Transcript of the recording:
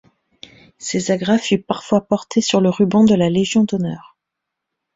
Ces agrafes furent parfois portées sur le ruban de la Légion d’honneur.